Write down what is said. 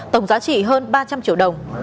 tổng giá trị hơn ba trăm linh triệu đồng